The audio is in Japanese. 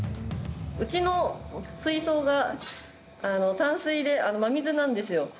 うちの水槽が淡水で真水なんですよ。